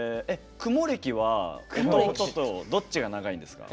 雲歴は弟とどっちが長いんですか？